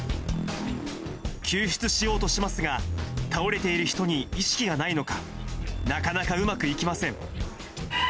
救出しようとしますが、倒れている人に意識がないのか、なかなかうまくいきません。